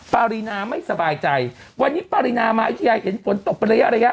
ปารีนาไม่สบายใจวันนี้ปรินามายุธยาเห็นฝนตกเป็นระยะระยะ